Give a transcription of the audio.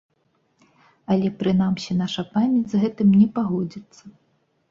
Але, прынамсі, наша памяць з гэтым не пагодзіцца.